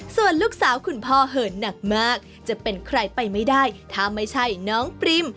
ส่วนลูกสาวคุณพ่อเหินหนักมากจะเป็นใครไปไม่ได้ถ้าไม่ใช่น้องปริม